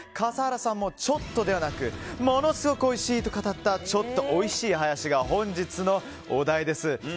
笠原さんもちょっとではなくものすごくおいしいと語ったちょっと美味しいハヤシが本日のお題です。